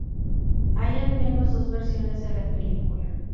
Hay al menos dos versiones de la película.